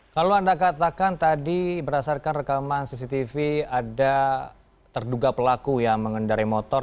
kalau anda katakan tadi berdasarkan rekaman cctv ada terduga pelaku yang mengendari motor